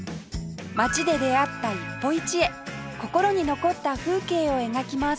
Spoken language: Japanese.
街で出会った一歩一会心に残った風景を描きます